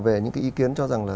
về những ý kiến cho rằng là